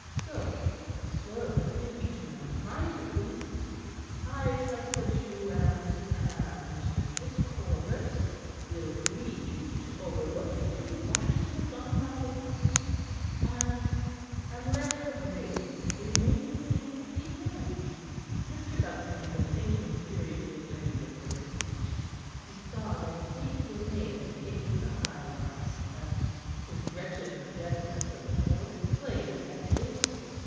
So so, if we do not find the priest, I trust that you and and Mistress Corbet will agree to overlook any rashness on my part and and let her Grace remain in ignorance." Mr. Buxton had been thinking furiously during this little speech. He saw the mistake he had made in taking the high line, and his wretched forgetfulness of the fourth place at table.